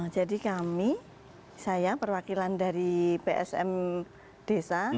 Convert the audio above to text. jadi kami saya perwakilan dari psm desa